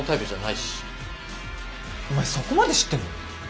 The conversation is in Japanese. お前そこまで知ってんの？